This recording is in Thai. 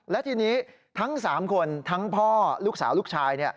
และทีนี้ทั้ง๓คนทั้งพ่อลูกสาวลูกชาย